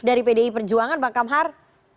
dari pdi perjuangan bang kamhar